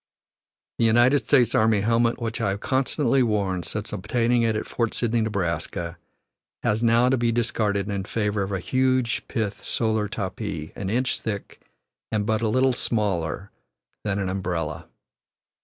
The United States army helmet which I have constantly worn since obtaining it at Fort Sydney, Neb., has now to be discarded in favor of a huge pith solar topee an inch thick and but little smaller than an umbrella.